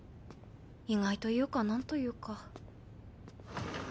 意外というか何というか。